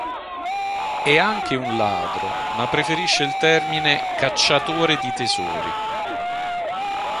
È anche un ladro, ma preferisce il termine "cacciatore di tesori".